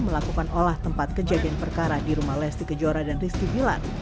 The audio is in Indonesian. melakukan olah tempat kejadian perkara di rumah lesti kejora dan rizky gilan